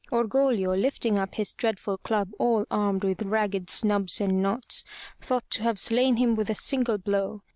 Orgoglio, lifting up his dreadful club all armed with ragged snubs and knots, thought to have slain him with a single blow.